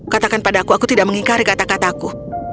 katakan padaku aku tidak mengikari kata kataku